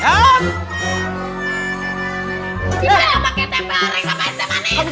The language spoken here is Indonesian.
kita yang pakai tempe reng sama istimewa nih